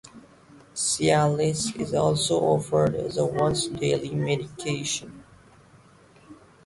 Cialis is also offered as a once-daily medication.